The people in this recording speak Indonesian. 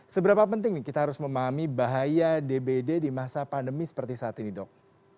seberapa penting nih kita harus memahami bahaya dbd di masa pandemi seperti saat ini dok